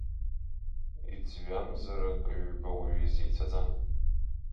Иӡҩамзар акы-ҩба уаҩы изеицәаӡам.